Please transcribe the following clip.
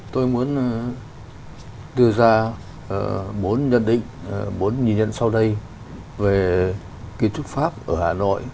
tôi muốn đưa ra bốn nhân định bốn nhìn nhân sau đây về kiến trúc pháp ở hà nội